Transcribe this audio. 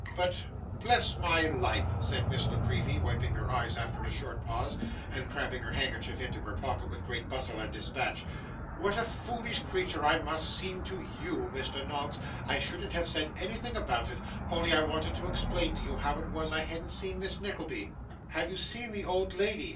'But bless my life,' said Miss La Creevy, wiping her eyes after a short pause, and cramming her handkerchief into her pocket with great bustle and dispatch; 'what a foolish creature I must seem to you, Mr. Noggs! I shouldn't have said anything about it, only I wanted to explain to you how it was I hadn't seen Miss Nickleby.' 'Have you seen the old lady?